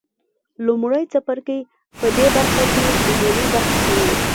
لومړی څپرکی په دې برخه کې عمومي بحث کوي.